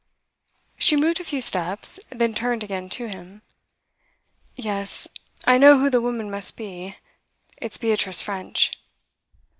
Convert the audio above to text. She moved a few steps, then turned again to him. 'Yes, I know who the woman must be. It's Beatrice French.